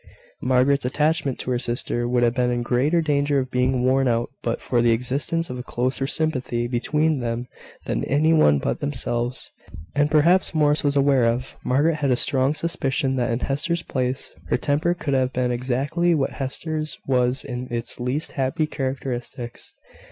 Margaret's attachment to her sister would have been in greater danger of being worn out but for the existence of a closer sympathy between them than any one but themselves, and perhaps Morris, was aware of. Margaret had a strong suspicion that in Hester's place her temper would have been exactly what Hester's was in its least happy characteristics.